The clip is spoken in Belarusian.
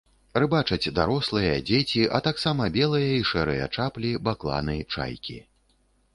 Рыбачаць дарослыя, дзеці, а таксама белыя і шэрыя чаплі, бакланы, чайкі.